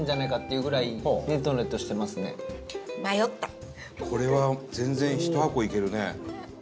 伊達：これは全然、１箱いけるね。